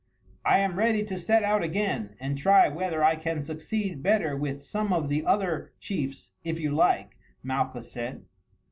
"I am ready to set out again and try whether I can succeed better with some of the other chiefs if you like," Malchus said.